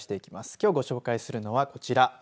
きょう、ご紹介するのはこちら。